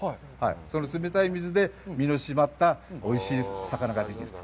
その冷たい水で身の締まった、おいしい魚ができると。